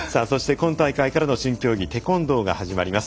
今大会からの新競技テコンドーが始まります。